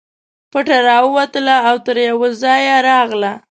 پټه راووتله او تر یوه ځایه راغله.